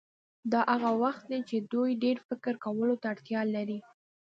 دا هغه وخت وي چې دوی ډېر فکر کولو ته اړتیا لري.